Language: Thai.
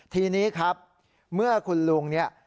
ทีนี้ครับเมื่อคุณลุงเนี่ย